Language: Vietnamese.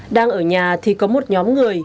đang ở nhà thì có một nhóm người